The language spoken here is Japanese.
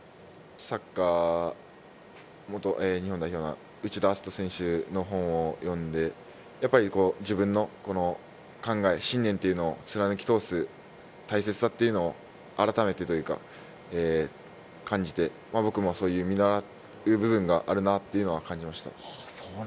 サッカー元日本代表の内田篤人選手の本を読んで、やっぱり自分の考え、信念っていうのを貫き通す大切さっていうのをあらためて感じて僕も見習う部分があるなっていうのを感じました。